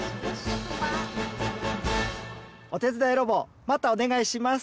おてつだいロボまたおねがいします。